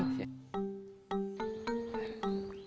nga itu tadi nama orang burung